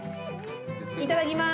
いただきます！